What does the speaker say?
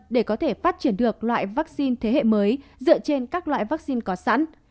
để có thể phát triển được loại vaccine thế hệ mới dựa trên các loại vaccine có sẵn